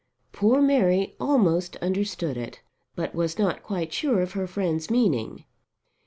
Poor Mary almost understood it, but was not quite sure of her friend's meaning.